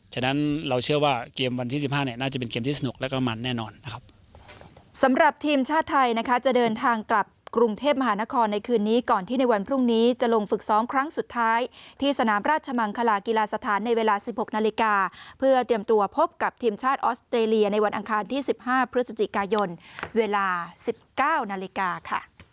ฉะนั้นเราเชื่อว่าเกมวันที่๑๕น่าจะเป็นเกมที่สนุกและมันแน่นอนนะครับ